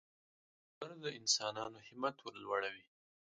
دا باور د انسان همت ورلوړوي.